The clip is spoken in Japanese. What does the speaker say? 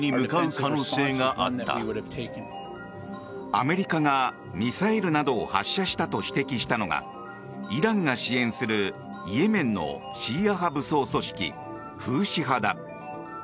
アメリカがミサイルなどを発射したと指摘したのがイランが支援するイエメンのシーア派武装組織フーシ派だ。